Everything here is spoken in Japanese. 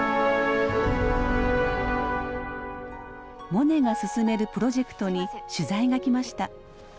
モネが進めるプロジェクトに取材が来ました。